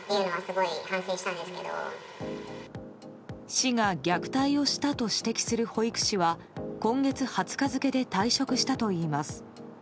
市が虐待をしたと指摘する保育士は今月２０日付で退職したといいます。